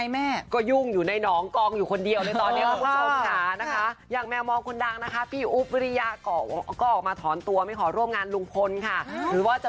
เมื่อวานโทรไปถามแล้วนะฮะ